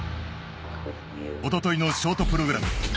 おとといのショートプログラム。